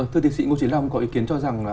thưa thị sĩ ngô chí long có ý kiến cho rằng